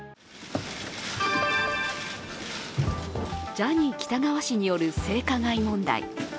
ジャニー喜多川氏による性加害問題。